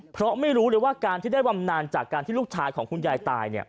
เพราะไม่รู้เลยว่าการที่ได้บำนานจากการที่ลูกชายของคุณยายตาย